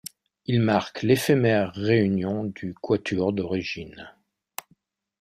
Il marque l'éphémère réunion du quatuor d'origine.